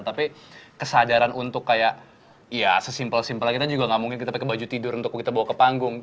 tapi kesadaran untuk kayak ya sesimpel simpel kita juga gak mungkin kita pakai baju tidur untuk kita bawa ke panggung